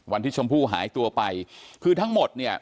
วันที่ชมพู่หายตัวไปคือทั้งหมด